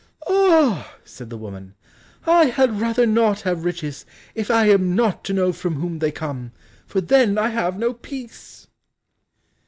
"Ah," said the woman, "I had rather not have riches if I am not to know from whom they come, for then I have no peace."